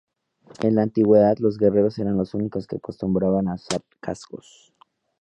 En la antigüedad, los guerreros eran los únicos que acostumbraban a usar cascos.